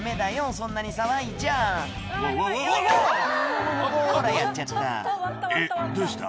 そんなに騒いじゃ「うわうわうわうわ！」ほらやっちゃった「えっどうした？